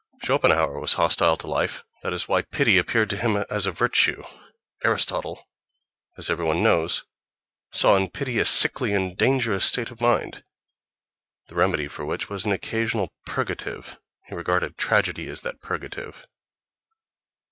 Schopenhauer was hostile to life: that is why pity appeared to him as a virtue.... Aristotle, as every one knows, saw in pity a sickly and dangerous state of mind, the remedy for which was an occasional purgative: he regarded tragedy as that purgative.